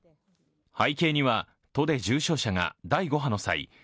背景には都で重症者が第５波の場合